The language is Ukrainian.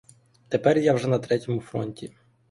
Тепер я вже на третьому фронті.